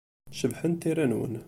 Cebḥent tira-nwent.